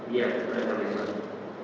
iya beragama islam